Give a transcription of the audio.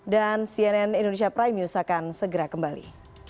dan cnn indonesia prime news akan segera kembali